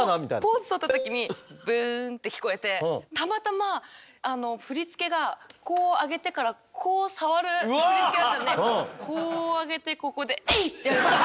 ポーズとった時にブーンって聞こえてたまたま振り付けがこう上げてからこう触る振り付けだったんでこう上げてここでエイ！